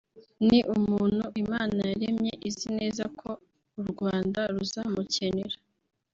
ni umuntu Imana yaremye izi neza ko u Rwanda ruzamukenera